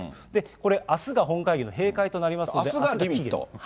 これ、あすが本会議の閉会となりあすがリミット？